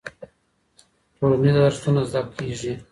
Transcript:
ټولنيز ارزښتونه زده کيږي.